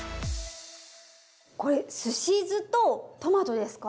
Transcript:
これすし酢とトマトですか。